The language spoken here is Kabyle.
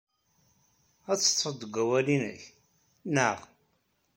Ad teḍḍfed deg wawal-nnek, naɣ?